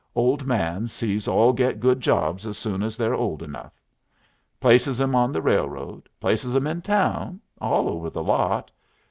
Old man sees all get good jobs as soon as they're old enough. Places 'em on the railroad, places 'em in town, all over the lot.